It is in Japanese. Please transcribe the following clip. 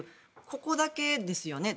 ここだけですよね。